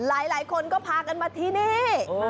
อ้าวหลายคนก็ถากันมาทีนี้